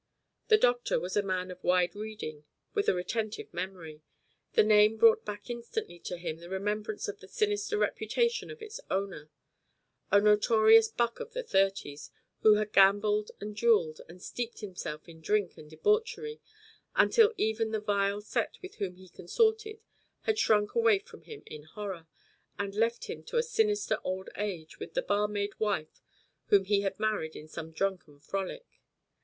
The doctor was a man of wide reading with a retentive, memory. The name brought back instantly to him the remembrance of the sinister reputation of its owner a notorious buck of the thirties who had gambled and duelled and steeped himself in drink and debauchery, until even the vile set with whom he consorted had shrunk away from him in horror, and left him to a sinister old age with the barmaid wife whom he had married in some drunken frolic.